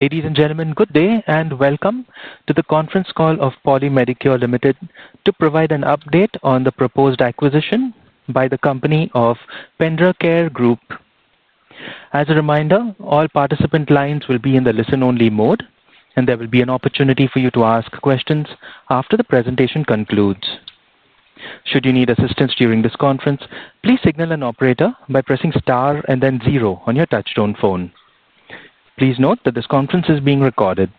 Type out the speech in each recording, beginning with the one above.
Ladies and gentlemen, good day, and welcome to the conference call of Polymedicure Limited to provide an update on the proposed acquisition by the company of PendraCare Group. As a reminder, all participant lines will be in the listen only mode and there will be an opportunity for you to ask questions after the presentation concludes. Please note that this conference is being recorded.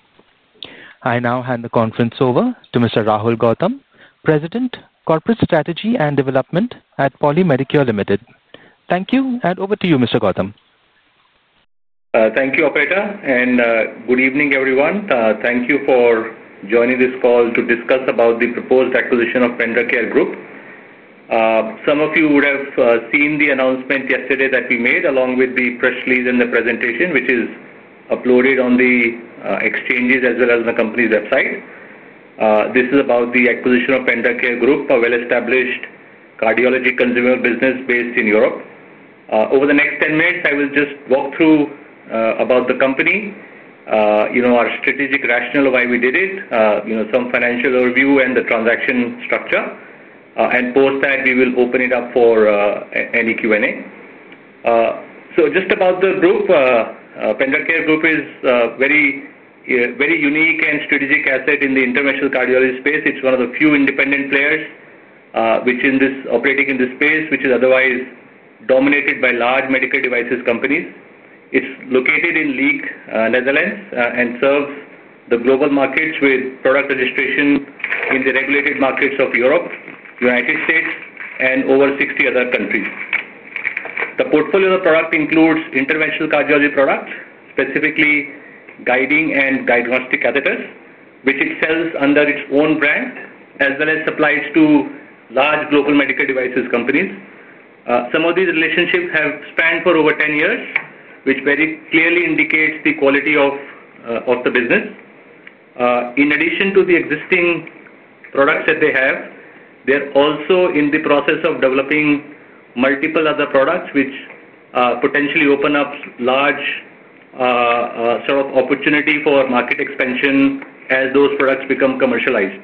I now hand the conference over to Mr. Rahul Gautam, President, Corporate Strategy and Development at Polymedicure Limited. Thank you. And over to you, Mr. Gautam. Thank you, operator, and good evening, everyone. Thank you for joining this call to discuss about the proposed acquisition of PendraCare Group. Some of you would have seen the announcement yesterday that we made along with the press release and the presentation, which is uploaded on the exchanges as well as the company's website. This is about the acquisition of Pendacare Group, a well established cardiology consumer business based in Europe. Over the next ten minutes, I will just walk through about the company, our strategic rationale why we did it, some financial overview and the transaction structure. And post that, we will open it up for any Q and A. So just about the group, Pendulkar Group is very unique and strategic asset in the international cardiology space. It's one of the few independent players which in this operating in this space, which is otherwise dominated by large medical devices companies. It's located in Leak, Netherlands and serves the global markets with product registration in the regulated markets of Europe, United States and over 60 other countries. The portfolio of product includes interventional cardiology products, specifically guiding and diagnostic catheters, which it sells under its own brand as well as supplies to large global medical devices companies. Some of these relationships have spanned for over ten years, which very clearly indicates the quality of the business. In addition to the existing products that they have, they're also in the process of developing multiple other products, which potentially open up large sort of opportunity for market expansion as those products become commercialized.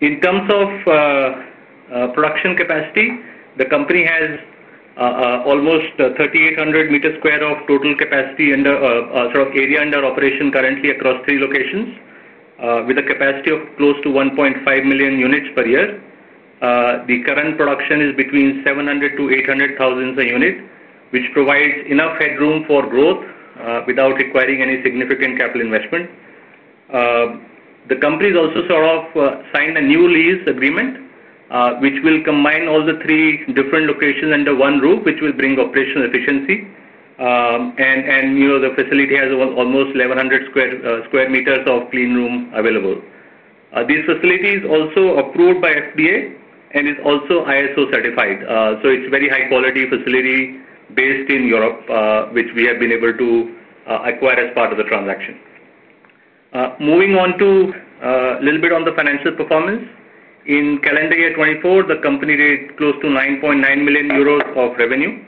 In terms of production capacity, the company has almost 3,800 meter square of total capacity in the sort of area under operation currently across three locations with a capacity of close to 1,500,000 units per year. The current production is between 700,000 to 800,000 per unit, which provides enough headroom for growth without requiring any significant capital investment. The company has also sort of signed a new lease agreement, which will combine all the three different locations under one roof, which will bring operational efficiency. And the facility has almost 1,100 square meters of clean room available. These facilities also approved by FDA and is also ISO certified. So it's very high quality facility based in Europe, which we have been able to acquire as part of the transaction. Moving on to a little bit on the financial performance. In calendar year 2024, the company did close to 9,900,000.0 euros of revenue,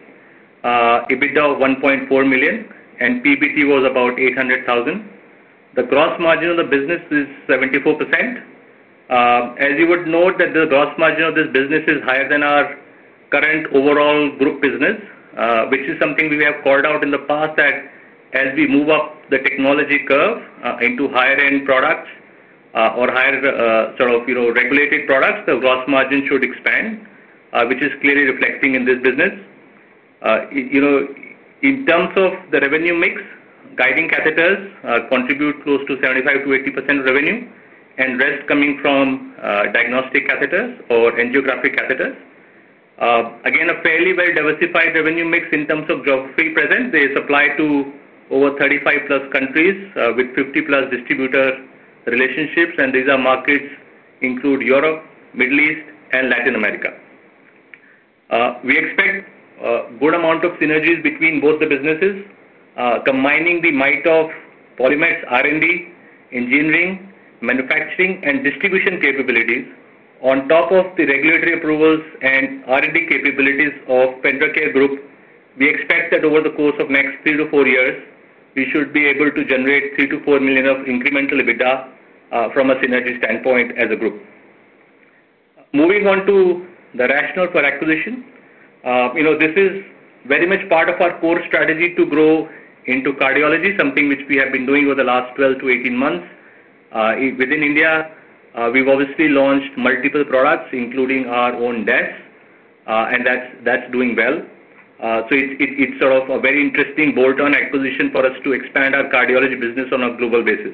EBITDA of 1,400,000.0 and PPT was about 800,000. The gross margin of the business is 74%. As you would note that the gross margin of this business is higher than our current overall group business, which is something we have called out in the past that as we move up the technology curve into higher end products or higher sort of regulated products, the gross margin should expand, which is clearly reflecting in this business. In terms of the revenue mix, guiding catheters contribute close to 75% to 80% revenue and rest coming from diagnostic catheters or angiographic catheters. Again, a fairly well diversified revenue mix in terms of drug free presence. They supply to over 35 plus countries with 50 plus distributor relationships, and these are markets include Europe, Middle East and Latin America. We expect good amount of synergies between both the businesses, combining the might of Polymath R and D, engineering, manufacturing and distribution capabilities. On top of the regulatory approvals and R and D capabilities of PentaCare Group, we expect that over the course of next three to four years, we should be able to generate 3,000,000 to $4,000,000 of incremental EBITDA from a synergy standpoint as a group. Moving on to the rationale for acquisition. This is very much part of our core strategy to grow into cardiology, something which we have been doing over the last twelve to eighteen months. Within India, we've obviously launched multiple products, including our own desk, and that's doing well. So it's sort of a very interesting bolt on acquisition for us to expand our cardiology business on a global basis.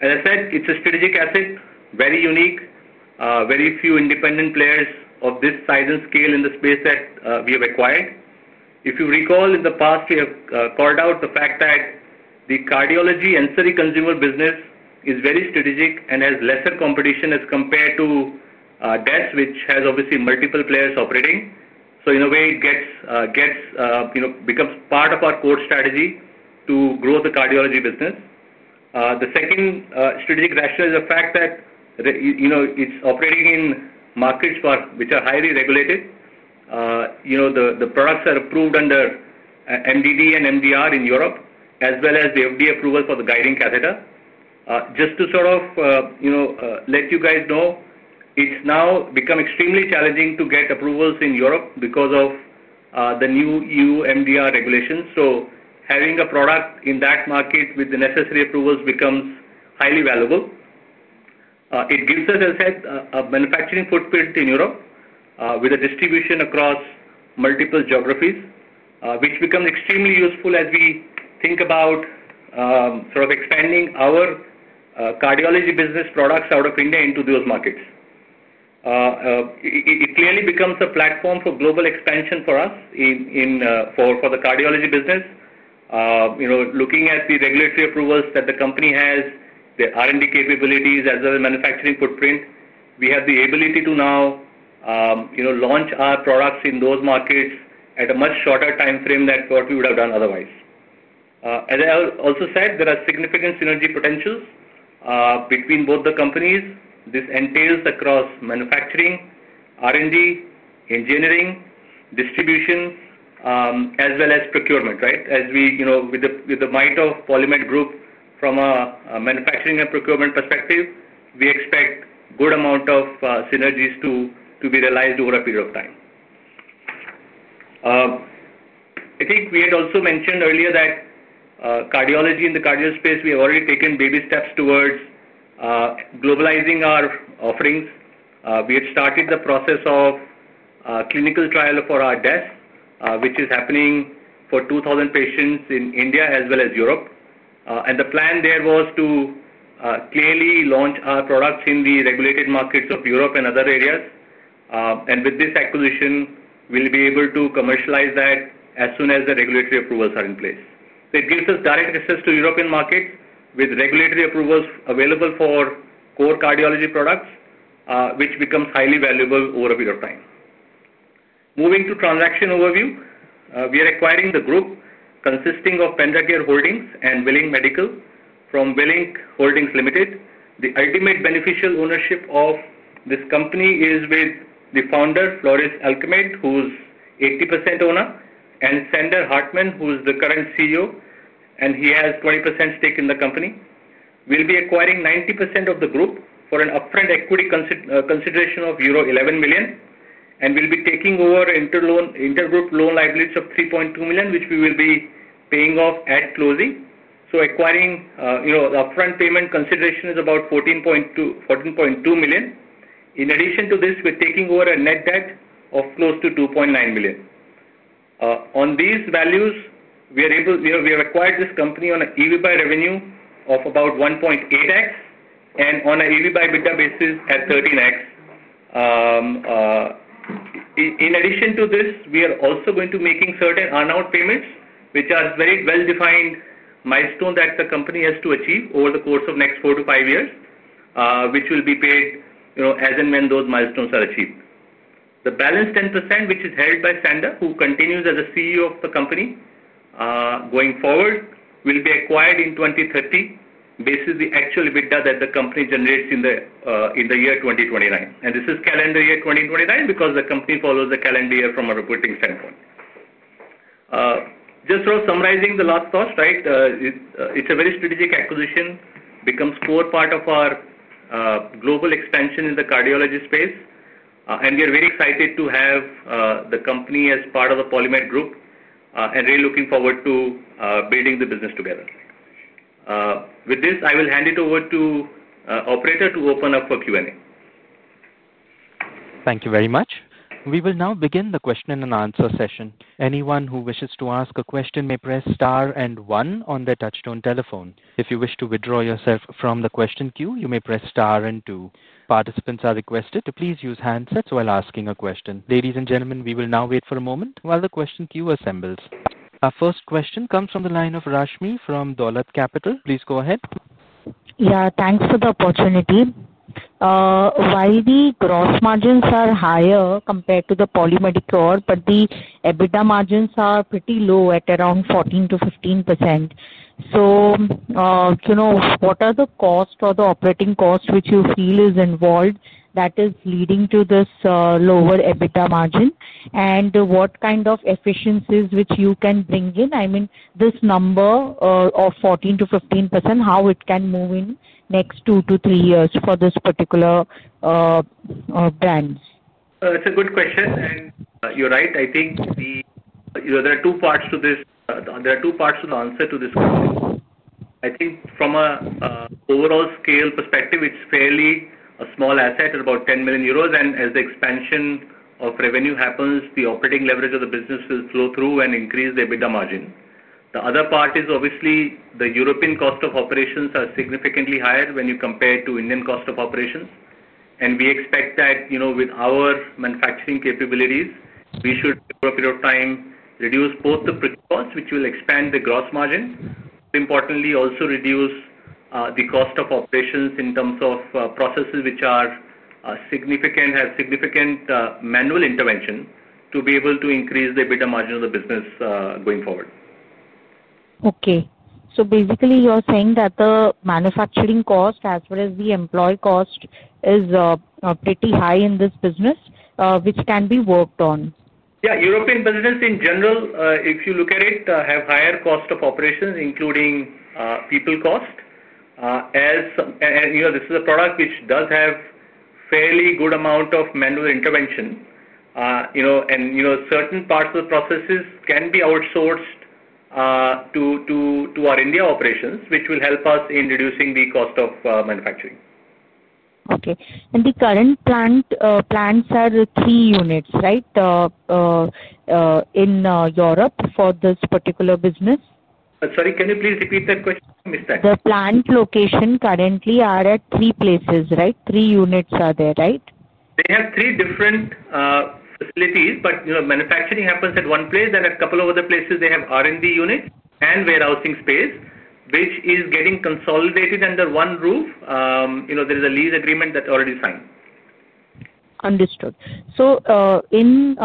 As I said, it's a strategic asset, very unique, very few independent players of this size and scale in the space that we have acquired. If you recall in the past, we have called out the fact that the cardiology ancillary consumer business is very strategic and has lesser competition as compared to that which has obviously multiple players operating. So in a way, it gets becomes part of our core strategy to grow the cardiology business. The second strategic rationale is the fact that it's operating in markets which are highly regulated. The products are approved under MDD and MDR in Europe as well as the FDA approval for the guiding catheter. Just to sort of let you guys know, it's now become extremely challenging to get approvals in Europe because of the new EU MDR regulations. So having a product in that market with the necessary approvals becomes highly valuable. It gives us a sense of manufacturing footprint in Europe with a distribution across multiple geographies, which becomes extremely useful as we think about sort of expanding our cardiology business products out of India into those markets. It clearly becomes a platform for global expansion for us in for the cardiology business. Looking at the regulatory approvals that the company has, the R and D capabilities as well as manufacturing footprint, we have the ability to now launch our products in those markets at a much shorter time frame than what we would have done otherwise. As I also said, there are significant synergy potential between both the companies. This entails across manufacturing, R and D, engineering, distribution as well as procurement, right? As we with the mind of Polymed Group from a manufacturing and procurement perspective, we expect good amount of synergies to be realized over a period of time. I think we had also mentioned earlier that cardiology in the cardio space, we have already taken baby steps towards globalizing our offerings. We have started the process of clinical trial for our desk, which is happening for 2,000 patients in India as well as Europe. And the plan there was to clearly launch our products in the regulated markets of Europe and other areas. And with this acquisition, we'll be able to commercialize that as soon as the regulatory approvals are in place. So it gives us direct access to European market with regulatory approvals available for core cardiology products, which becomes highly valuable over a period of time. Moving to transaction overview. We are acquiring the group consisting of Pendacare Holdings and Willing Medical from Willing Holdings Limited. The ultimate beneficial ownership of this company is with the founder, Floris Alkamit, who's 80% owner and Sander Hartmann, who is the current CEO, and he has 20% stake in the company. We'll be acquiring 90% of the group for an upfront equity consideration of euro 11,000,000. And we'll be taking over inter loan inter group loan liabilities of 3,200,000.0, which we will be paying off at closing. So acquiring the upfront payment consideration is about 14,200,000.0. In addition to this, we're taking over a net debt of close to 2,900,000.0. On these values, we are able to have acquired this company on a EBITDA revenue of about 1.8 x and on an EV by EBITDA basis at 13x. In addition to this, we are also going to making certain earn out payments, which are very well defined milestone that the company has to achieve over the course of next four to five years, which will be paid as and when those milestones are achieved. The balance 10%, which is held by Sander, who continues as a CEO of the company going forward, will be acquired in 02/1930. This is the actual EBITDA that the company generates in the year 2029. And this is calendar year 2029 because the company follows the calendar year from a reporting standpoint. Just sort of summarizing the last thoughts, right? It's a very strategic acquisition, becomes core part of our global expansion in the cardiology space. And we are very excited to have the company as part of the Polymed Group and really looking forward to building the business together. With this, I will hand it over to operator to open up for Q and A. Thank you very much. We will now begin the question and answer session. Our first question comes from the line of Rashmi from Daulat Capital. Please go ahead. Yeah. Thanks for the opportunity. While the gross margins are higher compared to the Polymedicore, but the EBITDA margins are pretty low at around 14 to 15%. So to know what are the cost or the operating cost which you feel is involved that is leading to this lower EBITDA margin? And what kind of efficiencies which you can bring in? I mean, this number of 14 to 15%, how it can move in next two to three years for this particular brands? It's a good question. And you're right. I think the you know, there are two parts to this. There are two parts to the answer to this question. I think from a overall scale perspective, it's fairly a small asset, it's about 10,000,000 euros. And as the expansion of revenue happens, the operating leverage of the business will flow through and increase the EBITDA margin. The other part is, obviously, the European cost of operations are significantly higher when you compare to Indian cost of operations. And we expect that with our manufacturing capabilities, we should, for a period of time, reduce both the fixed cost, which will expand the gross margin, but importantly, reduce the cost of operations in terms of processes, which are significant have significant manual intervention to be able to increase the EBITDA margin of the business going forward. Okay. So basically, you're saying that the manufacturing cost as well as the employee cost is pretty high in this business, which can be worked on. Yes. European business in general, if you look at it, have higher cost of operations, including people cost. As this is a product which does have fairly good amount of manual intervention. Certain parts of the processes can be outsourced to our India operations, which will help us in reducing the cost of manufacturing. Okay. And the current plant plants are the three units, right, in Europe for this particular business? Sorry. Can you please repeat that question, miss Tak? The plant location currently are at three places. Right? Three units are there. Right? They have three different facilities, but, you know, manufacturing happens at one place. And at couple of other places, they have r and d unit and warehousing space, which is getting consolidated under one roof. You know, there's a lease agreement that's already signed. Understood. So in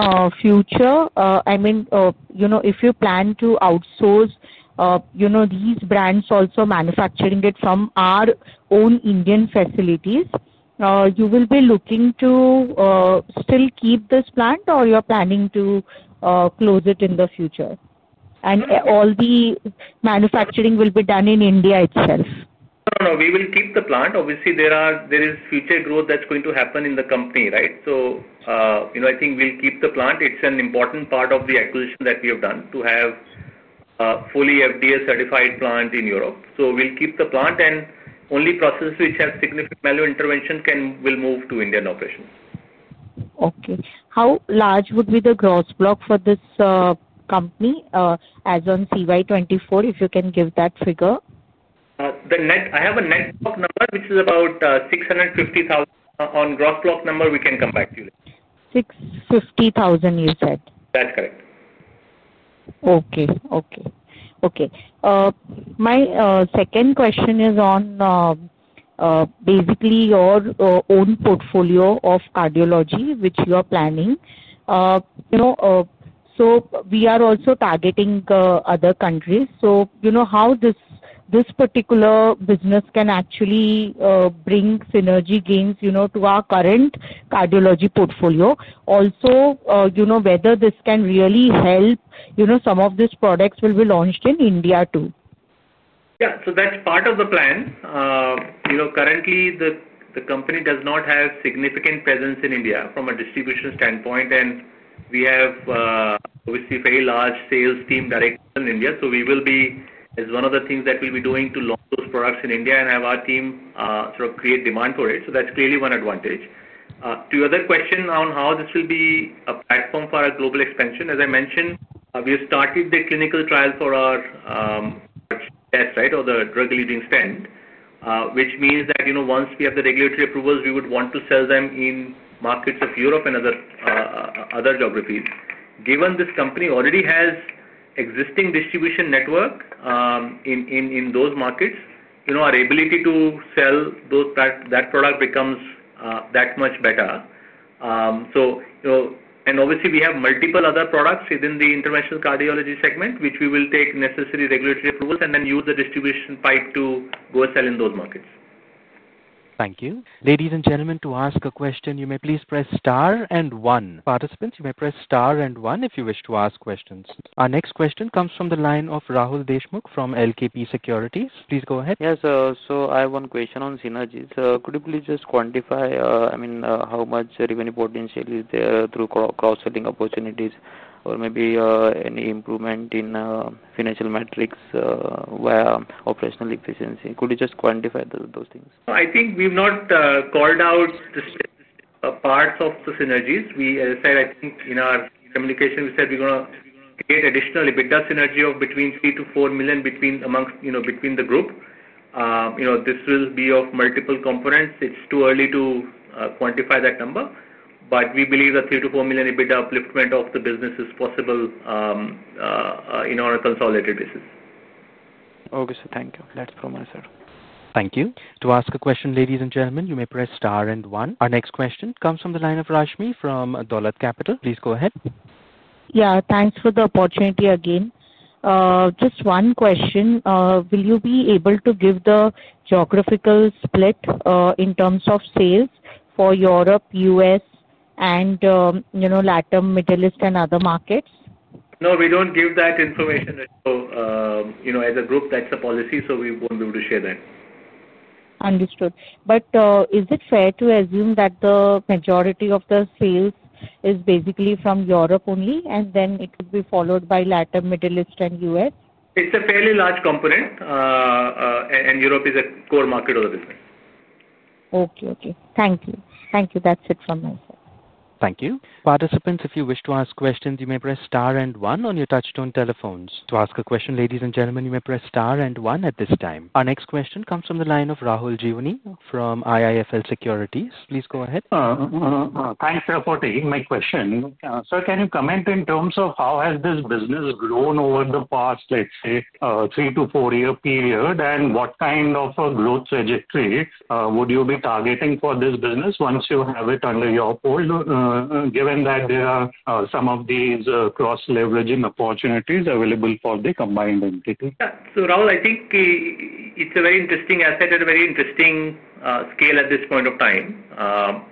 future, I mean, you know, if you plan to outsource, you know, these brands also manufacturing it from our own Indian facilities, You will be looking to still keep this plant or you're planning to close it in the future? And all the manufacturing will be done in India itself. No. No. We will keep the plant. Obviously, there are there is future growth that's going to happen in the company. Right? So, you know, I think we'll keep the plant. It's an important part of the acquisition that we have done to have fully FDA certified plant in Europe. So we'll keep the plant and only process which has significant value intervention can will move to Indian operation. Okay. How large would be the gross block for this company as on CY '24, if you can give that figure? The net I have a net number, which is about 650 thou on gross clock number, we can come back to you. $650,000, you said? That's correct. Okay. Okay. Okay. My second question is on, basically, your own portfolio of cardiology, which you are planning. You know, so we are also targeting other countries. So, you know, how this this particular business can actually bring synergy gains, you know, to our current cardiology portfolio. Also, you know, whether this can really help, you know, some of these products will be launched in India too. Yeah. So that's part of the plan. You know, currently, the the company does not have significant presence in India from a distribution standpoint, and we have obviously very large sales team direct in India. So we will be it's one of the things that we'll be doing to launch those products in India and have our team sort of create demand for it. So that's clearly one advantage. To your other question on how this will be a platform for our global expansion, as I mentioned, we have started the clinical trial for our test, right, or the drug leading stent, which means that once we have the regulatory approvals, we would want to sell them in markets of Europe and other geographies. Given this company already has existing distribution network in those markets, our ability to sell those that product becomes that much better. So and obviously, we have multiple other products within the interventional cardiology segment, which we will take necessary regulatory approvals and then use the distribution pipe to go sell in those markets. Thank Our next question comes from the line of Rahul Deshmukh from LKP Securities. Please go ahead. Yes. So I have one question on synergies. Could you please just quantify, I mean, how much revenue potential is there through cross selling opportunities or maybe any improvement in financial metrics where operational efficiency? Could you just quantify those things? I think we've not called out the steps a part of the synergies. We as I said, I think, in our communication, we said we're gonna we're gonna create additional EBITDA synergy of between 3 to 4,000,000 between amongst you know, between the group. This will be of multiple components. It's too early to quantify that number. But we believe that 3,000,000 to $4,000,000 EBITDA upliftment of the business is possible on a consolidated basis. Okay, sir. Thank you. That's it from my side. Thank you. Our next question comes from the line of Rashmi from Daulat Capital. Please go ahead. Yes. Thanks for the opportunity again. Just one question. Will you be able to give the geographical split in terms of sales for Europe, US, and, you know, LatAm, Middle East, and other markets? No. We don't give that information. So, you know, as a group, that's a policy, so we won't be able share that. Understood. But is it fair to assume that the majority of the sales is basically from Europe only, and then it could be followed by Latin, Middle East, and US? It's a fairly large component, and Europe is a core market of the business. Okay. Okay. Thank you. Thank you. That's it from my side. Thank you. Participants, if you wish to ask questions, you may press star and one on your touch tone telephones. To ask a question, ladies and gentlemen, you may press star and one at this time. Our next question comes from the line of Rahul Jivani from IIFL Securities. Please go ahead. Thanks for taking my question. Sir, can you comment in terms of how has this business grown over the past, let's say, three to four year period? And what kind of growth trajectory would you be targeting for this business once you have it under your hold, given that there are some of these cross leveraging opportunities available for the combined entity? So Rahul, I think it's a very interesting asset and a very interesting scale at this point of time.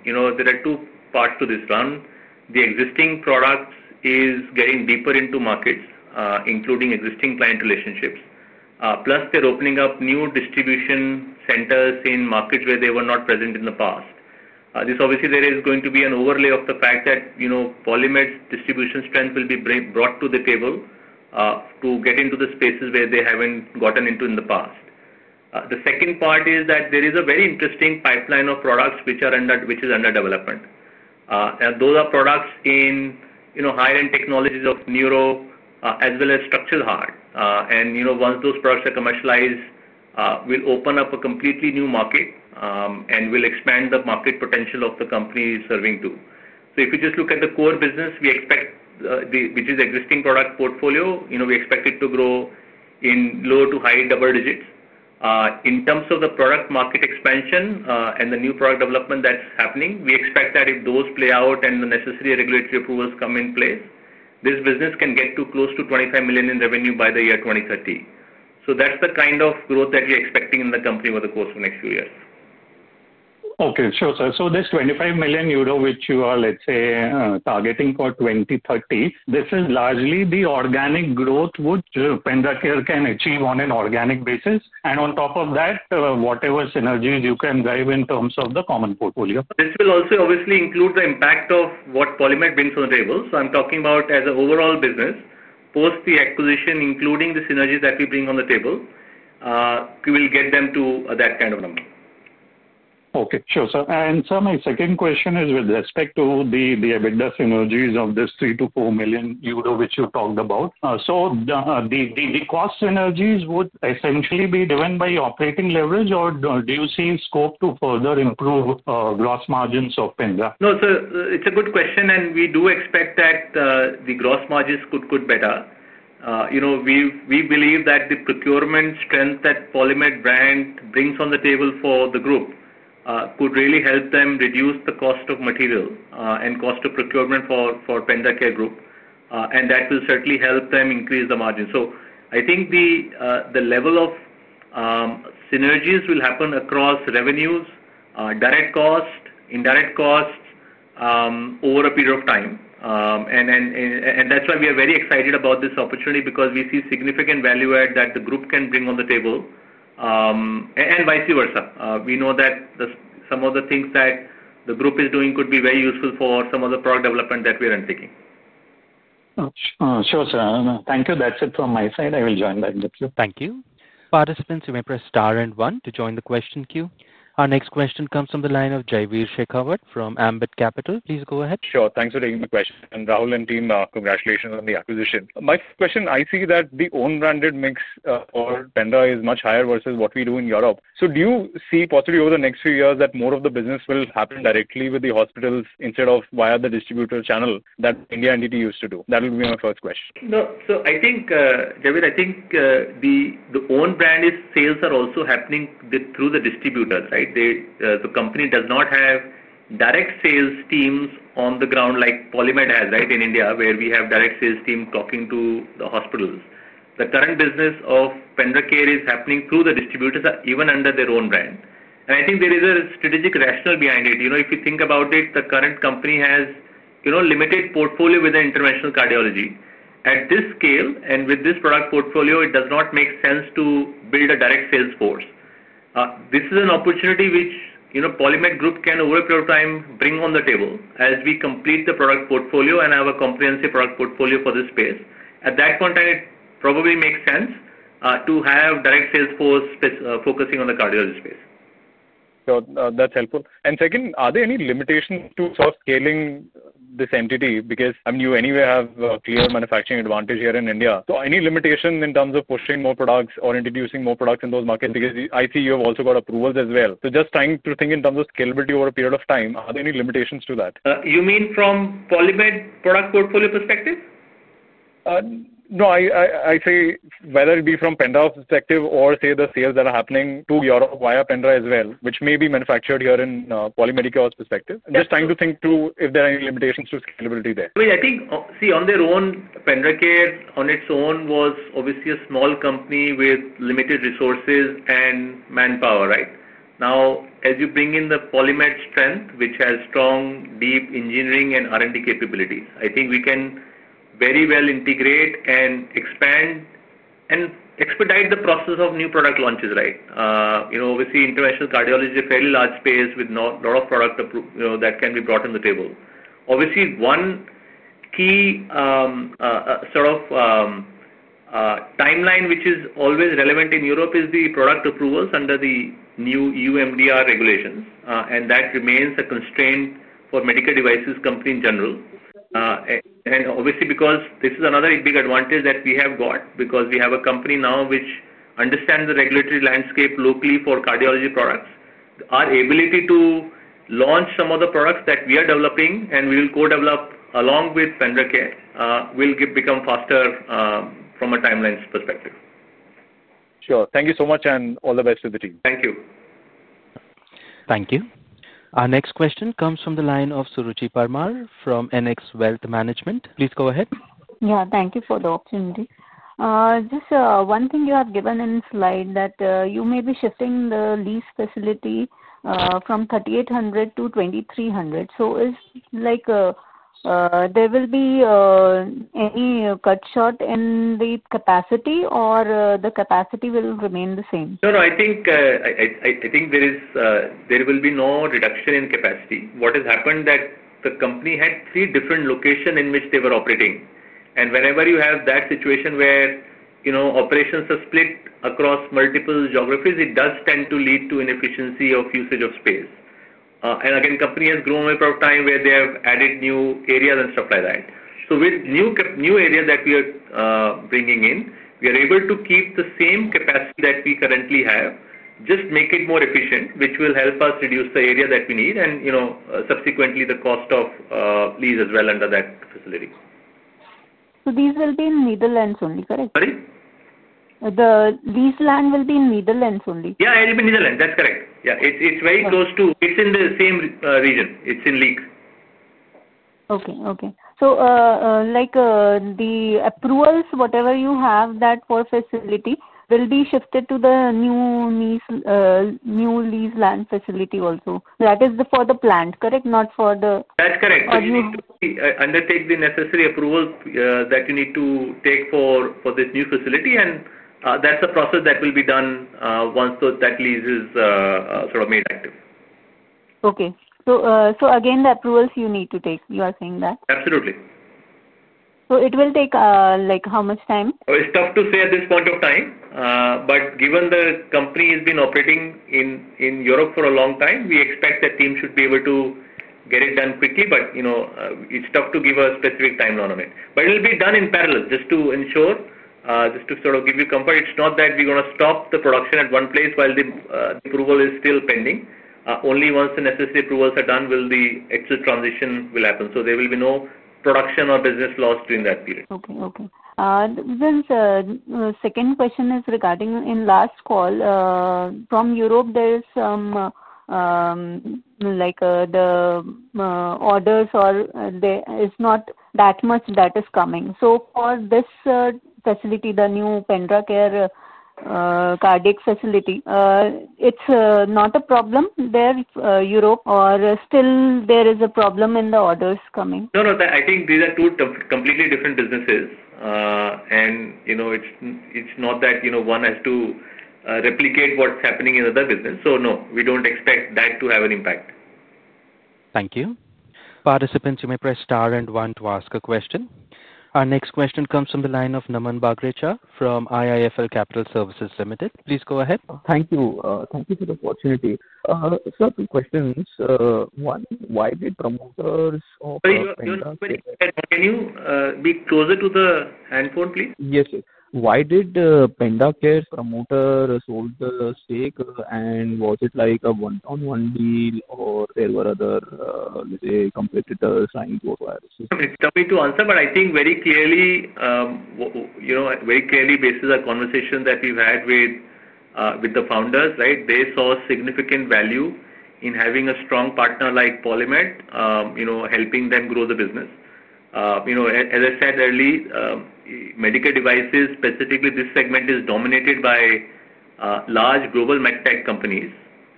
There are two parts to this run. The existing product is getting deeper into markets, including existing client relationships, plus they're opening up new distribution centers in markets where they were not present in the past. This obviously there is going to be an overlay of the fact that Polymed distribution strength will be brought to the table to get into the spaces where they haven't gotten into in the past. The second part is that there is a very interesting pipeline of products, which are under development. And those are products in high end technologies of neuro as well as structural heart. And once those products are commercialized, we'll open up a completely new market and we'll expand the market potential of the company serving too. So if you just look at the core business, we expect which is existing product portfolio, we expect it to grow in low to high double digits. In terms of the product market expansion and the new product development that's happening, we expect that if those play out and the necessary regulatory approvals come in place, this business can get to close to $25,000,000 in revenue by the year 02/1930. So that's the kind of growth that we're expecting in the company over the course of next few years. Okay. Sure, sir. So this 25,000,000 euro, which you are, let's say, targeting for 02/1930, this is largely the organic growth which Penda Care can achieve on an organic basis. And on top of that, whatever synergies you can drive in terms of the common portfolio. This will also obviously include the impact of what PolyMet brings on the table. So I'm talking about as an overall business, post the acquisition, including the synergies that we bring on the table, we will get them to that kind of number. Okay. Sure, sir. And sir, my second question is with respect to the EBITDA synergies of this 3,000,000 to $4,000,000 which you talked about. So the cost synergies would essentially be driven by operating leverage? Or do you see scope to further improve gross margins of Pindar? No, sir. It's a good question, and we do expect that the gross margins could better. We believe that the procurement strength that Polymed brand brings on the table for the group could really help them reduce the cost of material and cost of procurement for PentaCare Group. And that will certainly help them increase the margin. So I think the level of synergies will happen across revenues, direct cost, indirect cost over a period of time. And that's why we are very excited about this opportunity because we see significant value add that the group can bring on the table and vice versa. We know that some of the things that the group is doing could be very useful for some of the product development that we are undertaking. Sure, sir. Thank you. That's it from my side. I will join back in the queue. Thank you. Our next question comes from the line of Jaiveer Shekhawat from Ambit Capital. Please go ahead. Sure. Thanks for taking my question. Rahul and team, congratulations on the acquisition. My first question, I see that the own branded mix for tender is much higher versus what we do in Europe. So do you see, possibly, over the next few years that more of the business will happen directly with the hospitals instead of via the distributor channel that India and D2 used to do? That will be my first question. No. So I think, David, I think the own branded sales are also happening through the distributors, right? The company does not have direct sales teams on the ground like Polymed has, right, in India, where we have direct sales team talking to the hospitals. The current business of PendraCare is happening through the distributors even under their own brand. And I think there is a strategic rationale behind it. If you think about it, the current company has limited portfolio with the interventional cardiology. At this scale and with this product portfolio, it does not make sense to build a direct sales force. This is an opportunity which Polymed Group can over a period of time bring on the table as we complete the product portfolio and have a comprehensive product portfolio for this space. At that point, it probably makes sense to have direct sales force focusing on the cardiology space. That's helpful. And second, are there any limitations to sort of scaling this entity? Because, I mean, you anyway have a clear manufacturing advantage here in India. So any limitation in terms of pushing more products or introducing more products in those markets? Because I see you have also got approvals as well. So just trying to think in terms of scalability over a period of time, are there any limitations to that? You mean from Polymed portfolio perspective? No. I I I say whether it be from Pender's perspective or say the sales that are happening to Europe via Pender as well, which may be manufactured here in Polymedical's perspective. Just trying to think through if there are any limitations to scalability there. I think see, on their own, PendraCare on its own was obviously a small company with limited resources and manpower, right? Now as you bring in the Polymed strength, which has strong deep engineering and R and D capabilities, I think we can very well integrate and expand and expedite the process of new product launches, right? We see interventional cardiology, fairly large space with a lot of product that can be brought on the table. Obviously, key sort of timeline, which is always relevant in Europe is the product approvals under the new UMDR regulations. And that remains a constraint for medical devices company in general. And obviously, because this is another big advantage that we have got, because we have a company now which understands the regulatory landscape locally for cardiology products. Our ability to launch some of the products that we are developing and we will co develop along with vendor care will become faster from a time lines perspective. Sure. Thank you so much, and all the best to the team. Thank you. Thank you. Our next question comes from the line of Suraj Paramar from NX Wealth Management. Please go ahead. Yes. Thank you for the opportunity. Just one thing you have given in slide that you may be shifting the lease facility from 3,800 to 2,300. So is, like, there will be any cut short in the capacity or the capacity will remain the same? No, no. Think there is there will be no reduction in capacity. What has happened that the company had three different location in which they were operating. And whenever you have that situation where operations are split across multiple geographies, it does tend to lead to inefficiency of usage of space. And again, company has grown a of time where they have added new areas and supply lines. So with new new areas that we are bringing in, we are able to keep the same capacity that we currently have, just make it more efficient, which will help us reduce the area that we need and, you know, subsequently the cost of lease as well under that facility. So these will be in Netherlands only. Correct? Sorry? The these land will be in Netherlands only. Yeah. It'll be in Netherlands. That's correct. Yeah. It's it's very close to it's in the same region. It's in leak. Okay. Okay. So, like, the approvals, whatever you have that for facility will be shifted to the new lease new lease land facility also. That is the for the plant. Correct? Not for the That's That's correct. Correct. You need to undertake the necessary approval that you need to take for for this new facility, and that's the process that will be done once that lease is sort of made active. Okay. So so again, the approvals you need to take, you are saying that? Absolutely. So it will take, like, how much time? Oh, it's tough to say at this point of time. But given the company has been operating in in Europe for a long time, we expect the team should be able to get it done quickly, but it's tough to give us specific time line on it. But it will be done in parallel just to ensure, just to sort of give you comfort. It's not that we're to stop the production at one place while the approval is still pending. Only once the necessary approvals are done will be exit transition will happen. So there will be no production or business loss during that period. Okay. Okay. Then, sir, second question is regarding in last call. From Europe, there's like, the orders are there it's not that much that is coming. So for this facility, the new PendraCare cardiac facility, It's not a problem there, Europe, or still there is a problem in the orders coming? No. No. I think these are two completely different businesses. And it's not that one has to replicate what's happening in other business. So no, we don't expect that to have an impact. Our next question comes from the line of Naman Bhagraha from IIFL Capital Services Limited. Please go ahead. Thank you. Thank you for the opportunity. Sir, two questions. One, why did promoters offer Sorry. You sorry. Can you be closer to the handphone, please? Yes. Why did PentaCare's promoter sold the stake? And was it like a one on one deal or there were other, let's say, competitor signed for our system? It's tough to answer, but I think very clearly clearly based on the conversation that we've had with the founders, right, they saw significant value in having a strong partner like Polymed, helping them grow the business. As I said early, Medical Devices, specifically this segment is dominated by large global medtech companies.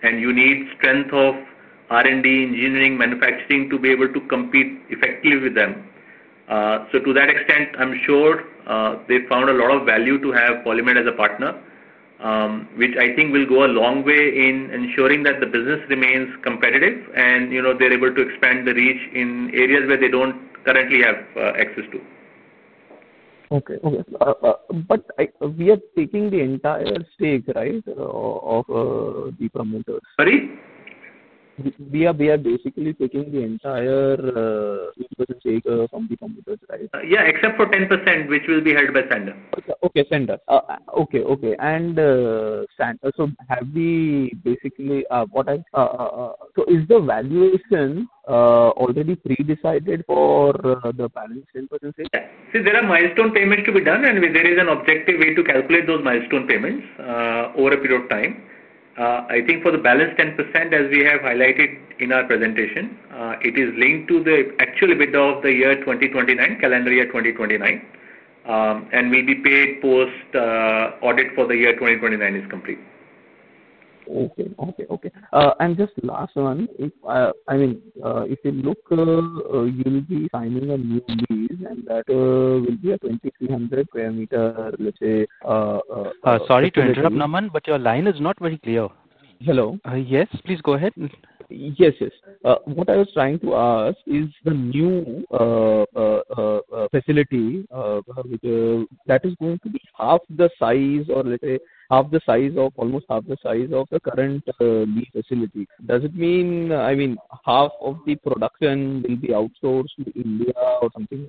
And you need strength of R and D, engineering, manufacturing to be able to compete effectively with them. So to that extent, I'm sure they found a lot of value to have Polymed as a partner, which I think will go a long way in ensuring that the business remains competitive and they're able to expand the reach in areas where they don't currently have access to. Okay. Okay. But I we are taking the entire stake, right, of the promoters. Sorry? We are we are basically taking the entire input to take from the promoters. Right? Yeah. Except for 10%, which will be held by sender. Okay. Okay. Send us. Okay. Okay. And, sand so have we basically, what I so is the valuation, already predecided for the balance in purchasing? See, See, there are milestone payments to be done and there is an objective way to calculate those milestone payments over a period of time. I think for the balance 10%, as we have highlighted in our presentation, it is linked to the actual EBITDA of the year 2029, calendar year 2029. And we'll be paid post audit for the year 2029 is complete. Okay. Okay. Okay. And just last one, if I mean, if you look, you'll be signing a new lease, and that will be a 2,300 square per meter, let's say Sorry to interrupt, Norman, but your line is not very clear. Hello? Yes. Please go ahead. Yes. Yes. What I was trying to ask is the new facility, Harvita, that is going to be half the size or, let's say, half the size of almost half the size of the current lead facility. Does it mean I mean, half of the production will be outsourced in India or something?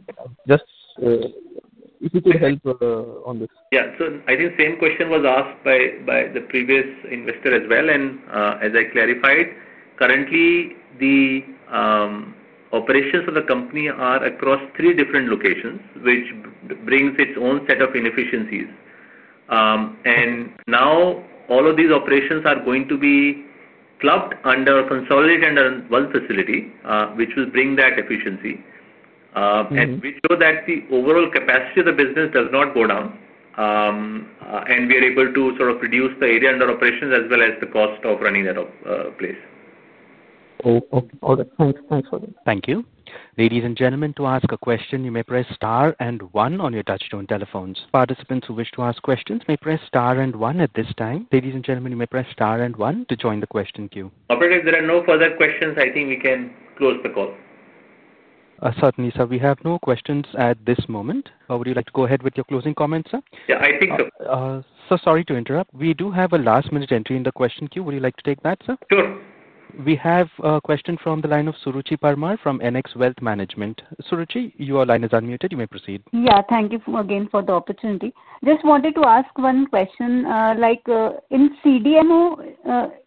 Just if you could help on this. Yes. So I think same question was asked by the previous investor as well. And as I clarified, currently, the operations of the company are across three different locations, which brings its own set of inefficiencies. And now all of these operations are going to be clubbed under consolidated under one facility, which will bring that efficiency. And we show that the overall capacity of the business does not go down, and we are able to sort of reduce the area under operations as well as the cost of running that place. All right. Thanks, Operator, if there are no further questions, I think we can close the call. Certainly, sir. We have no questions at this moment. Would you like to go ahead with your closing comments, sir? Yes, I think so. Sorry to interrupt. We do have a last minute entry in the question queue. Would you like to take that, sir? Sure. We have a question from the line of Suruchi Parmar from NX Wealth Management. Suruchi, your line is unmuted. You may proceed. Yeah. Thank you again for the opportunity. Just wanted to ask one question. Like, in CDMO,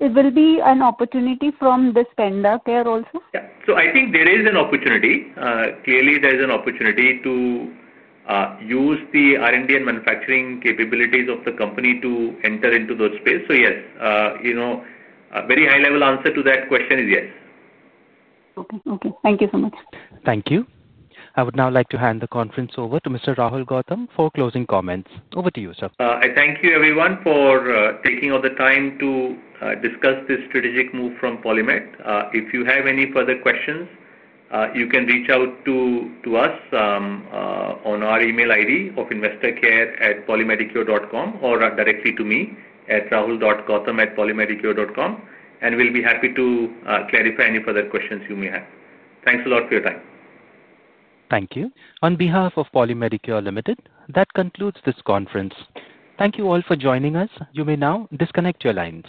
it will be an opportunity from this tender care also? Yes. So I think there is an opportunity. Clearly, is an opportunity to use the R and D and manufacturing capabilities of the company to enter into those space. So yes, very high level answer to that question is yes. Okay, okay. Thank you so much. Thank you. I would now like to hand the conference over to Mr. Rahul Gautam for closing comments. Over to you, sir. Thank you, everyone, for taking all the time to discuss this strategic move from Polymed. If you have any further questions, you can reach out to us on our e mail ID of investorcarepolymedicure dot com or directly to me at raul. Gothampolymedico dot com, and we'll be happy to clarify any further questions you may have. Thanks a lot for your time. Thank you. On behalf of Polymedicure Limited, that concludes this conference. Thank you all for joining us. You may now disconnect your lines.